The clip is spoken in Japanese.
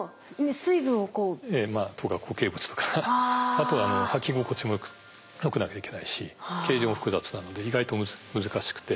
あとはき心地もよくなきゃいけないし形状も複雑なので意外と難しくて。